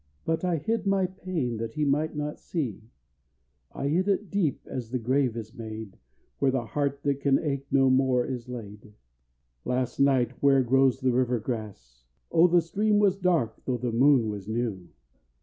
_ But I hid my pain that he might not see I hid it deep as the grave is made, Where the heart that can ache no more is laid. 3 Last night, where grows the river grass, _(Oh the stream was dark though the moon was new!)